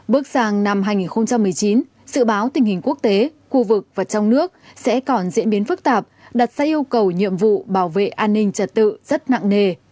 bước sang năm hai nghìn một mươi chín sự báo tình hình quốc tế khu vực và trong nước sẽ còn diễn biến phức tạp đặt ra yêu cầu nhiệm vụ bảo vệ an ninh trật tự rất nặng nề